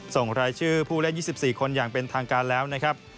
ส่งรายชื่อผู้เล่น๒๔คนอย่างเป็นทางการแล้วนะครับ